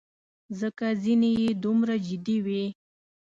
ځکه ځینې یې دومره جدي وې.